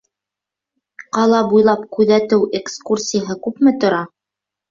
Ҡала буйлап күҙәтеү экскурсияһы күпме тора?